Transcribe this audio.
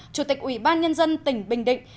chủ tịch ủy ban nhân dân tỉnh bình định